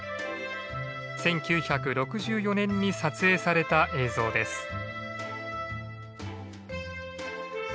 １９６４年に撮影された映像です。